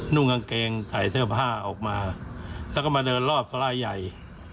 ่งกางเกงใส่เสื้อผ้าออกมาแล้วก็มาเดินรอบเขารายใหญ่